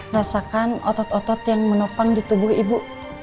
rasakan otot otot yang menopang di tubuh ibu